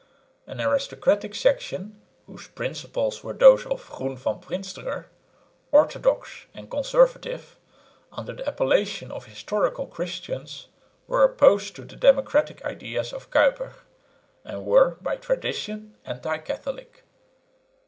An aristocratic section, whose principles were those of Groen van Prinsterer, "orthodox" and "conservative," under the appellation of "Historical Christians," were opposed to the democratic ideas of Kuyper, and were by tradition anti Catholic.